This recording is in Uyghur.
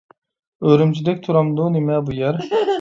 ئۈرۈمچىدەك تۇرامدۇ نېمە بۇ يەر؟